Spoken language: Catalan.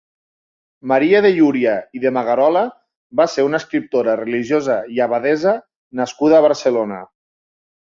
Maria de Llúria i de Magarola va ser una escriptora religiosa i abadessa nascuda a Barcelona.